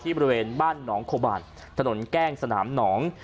บริเวณบ้านหนองโคบาลถนนแก้งสนามหนอง